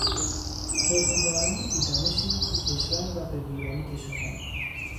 حکمرانان بیدانشی که کشور را به ویرانی کشاندند